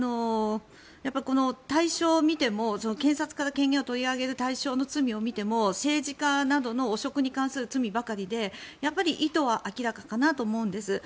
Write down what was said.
この対象を見ても検察から権限を取り上げる対象の罪を見ても政治家などの汚職に関する罪ばかりで意図は明らかかなと思うんです。